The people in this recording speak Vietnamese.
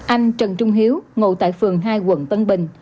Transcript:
anh trần trung hiếu ngụ tại phường hai quận tân bình